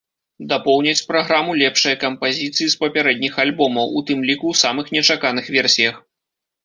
Дапоўняць праграму лепшыя кампазіцыі з папярэдніх альбомаў, у тым ліку ў самых нечаканых версіях.